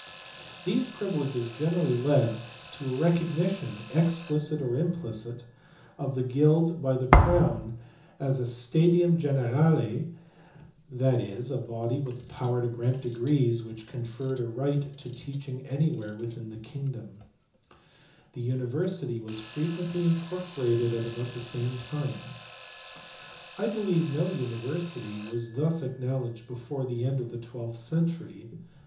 These privileges generally led to a 144 THE RISE OF LEARNING IN WESTERN EUROPE. recognition, explicit or implicit, of the guild by the crown as a studium generate, that is, a body with power to grant degrees which conferred a right of teaching anywhere within the kingdonffr The university was frequently incorporated at or about the same time.l I believe no university was thus ac knowledged before the end of the twelfth century.